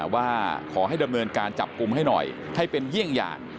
ว่าขอให้ดำเนินการจับกลุ่มให้หน่อยให้เป็นเยี่ยงอย่าง